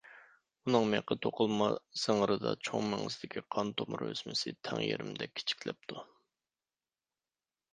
ئۇنىڭ مېڭە توقۇلما سىڭىرىدا چوڭ مېڭىسىدىكى قان تومۇر ئۆسمىسى تەڭ يېرىمدەك كىچىكلەپتۇ.